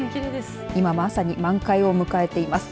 今まさに満開を迎えています。